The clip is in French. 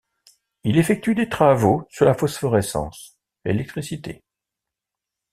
Il effectue des travaux sur la phosphorescence, l’électricité.